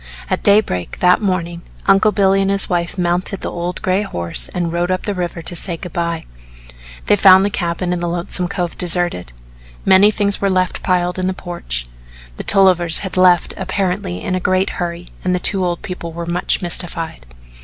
At daybreak, that morning, Uncle Billy and his wife mounted the old gray horse and rode up the river to say good by. They found the cabin in Lonesome Cove deserted. Many things were left piled in the porch; the Tollivers had left apparently in a great hurry and the two old people were much mystified.